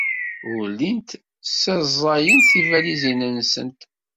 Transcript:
Ur llint ssaẓayent tibalizin-nsent.